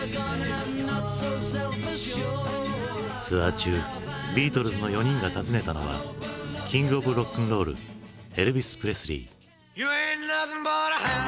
ツアー中ビートルズの４人が訪ねたのはキング・オブ・ロックンロールエルヴィス・プレスリー。